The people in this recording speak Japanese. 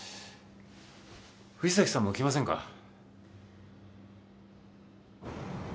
藤崎さんも来ませんか？